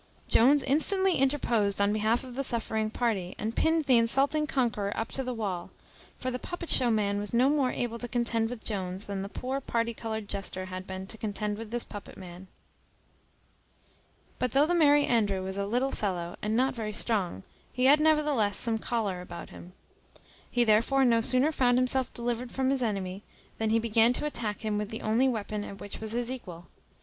Jones instantly interposed on behalf of the suffering party, and pinned the insulting conqueror up to the wall: for the puppet show man was no more able to contend with Jones than the poor party coloured jester had been to contend with this puppet man. But though the Merry Andrew was a little fellow, and not very strong, he had nevertheless some choler about him. He therefore no sooner found himself delivered from the enemy, than he began to attack him with the only weapon at which he was his equal.